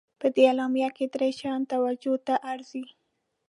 په دې اعلامیه کې درې شیان توجه ته ارزي.